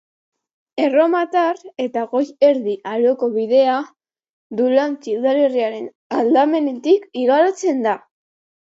Erromatar eta Goi Erdi Aroko bidea Dulantzi udalerriaren aldamenetik igarotzen da.